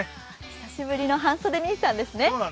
久しぶりの半袖兄さんですね。